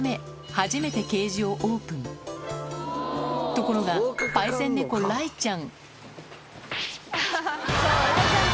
ところがパイセン猫雷ちゃん